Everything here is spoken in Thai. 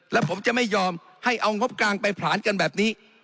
แล้วผมจะไม่ยอมให้เอางบกลางไปผลาญกันแบบนี้